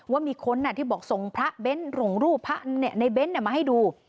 ว่ามีคนน่ะที่บอกส่งพระเบนลงรูปในเบนมาให้ดู